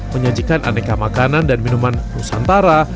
menyajikan aneka makanan dan minuman nusantara